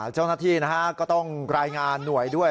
เจ้าหน้าที่ก็ต้องรายงานหน่วยด้วย